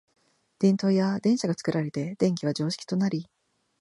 電燈や電車が作られて電気は常識となり、